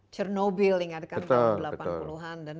chernobyl ingat kan tahun delapan puluh an